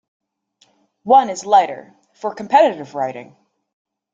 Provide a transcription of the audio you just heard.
One is lighter, for competitive riding.